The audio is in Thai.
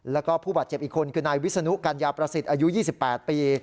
แล้วก็ผู้บาดเจ็บอีกคนคือนายวิศนุกัญญาประสิทธิ์อายุ๒๘ปี